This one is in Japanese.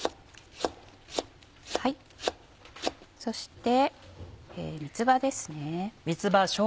そして三つ葉ですね。